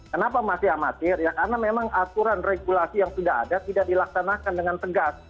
kenapa masih amatir ya karena memang aturan regulasi yang sudah ada tidak dilaksanakan dengan tegas